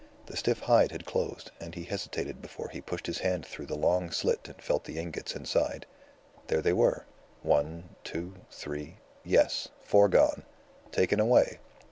The stiff hide had closed, and he hesitated before he pushed his hand through the long slit and felt the ingots inside. There they were. One, two, three. Yes, four gone. Taken away.